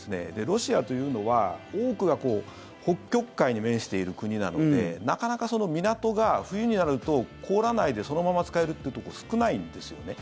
ロシアというのは多くが北極海に面している国なのでなかなか港が冬になると凍らないでそのまま使えるっていうところ少ないんですよね。